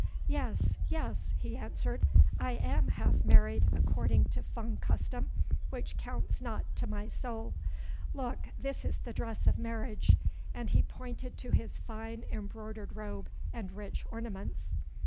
"Yes, yes," he answered, "I am half married according to Fung custom, which counts not to my soul. Look, this is the dress of marriage," and he pointed to his fine embroidered robe and rich ornaments.